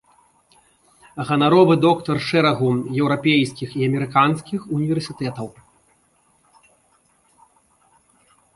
Ганаровы доктар шэрагу еўрапейскіх і амерыканскіх універсітэтаў.